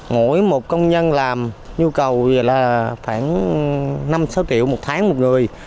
mỗi một công nhân làm nhu cầu là khoảng năm sáu triệu một tháng một người